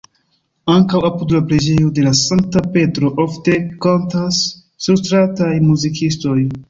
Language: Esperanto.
Ankaŭ apud la preĝejo de la sankta Petro ofte kantas surstrataj muzikistoj.